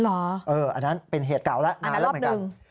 อ๋ออันนั้นเป็นเหตุเก่าแล้วอันนั้นรอบหนึ่ง